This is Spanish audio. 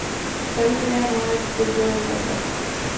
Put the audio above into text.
Tal idea no es de todo exacta.